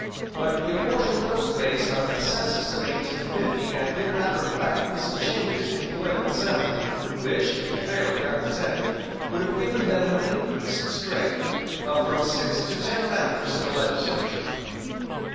But the apportionment was based on the census of 1850, and did not reflect recent changes in political sentiment, which, if fairly represented, would have given them an increased strength of from six to ten members in the legislature.